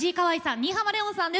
新浜レオンさんです。